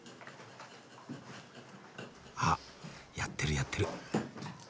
あっやってるやってる。